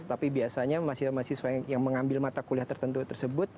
tapi biasanya mahasiswa mahasiswa yang mengambil mata kuliah tertentu tersebut